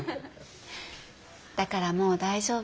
だからもう大丈夫。